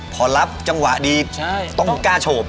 พอรับจังหวะดีต้องกล้าโฉบ